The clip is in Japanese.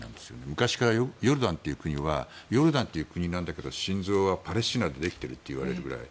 昔からヨルダンという国はヨルダンという国なんだけど心臓はパレスチナでできているといわれるくらい。